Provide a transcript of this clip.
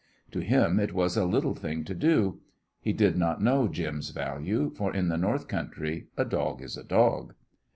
To him it was a little thing to do. He did not know Jim's value, for in the north country a dog is a dog.